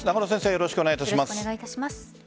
よろしくお願いします。